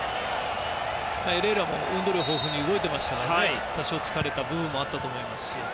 エレーラも運動量豊富に動いていたので多少、疲れた部分もあったと思いますし。